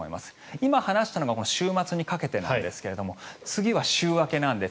今話したのが週末にかけてなんですが次は週明けなんです。